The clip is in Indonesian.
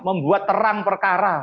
membuat terang perkara